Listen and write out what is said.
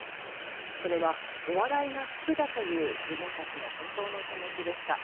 それは、お笑いが好きだという自分たちの本当の気持ちでした。